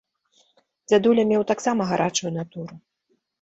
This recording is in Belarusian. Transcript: Дзядуля меў таксама гарачую натуру.